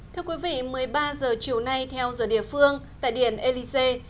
thưa quý vị một mươi ba h chiều nay theo giờ địa phương tại điện elise